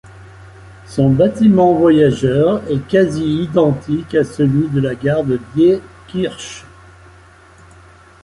Son bâtiment voyageurs est quasi-identique à celui de la gare de Diekirch.